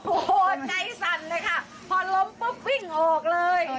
โอ้โหใจสั่นเลยค่ะพอล้มปุ๊บวิ่งออกเลย